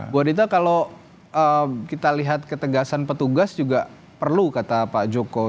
bu adita kalau kita lihat ketegasan petugas juga perlu kata pak joko